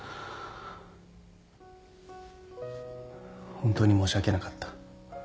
本当に申し訳なかった。